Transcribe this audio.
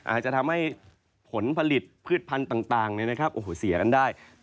อาจจะทำให้ผลผลิตพืชพันธุ์ต่างเนี่ยนะครับโอ้โหเสียกันได้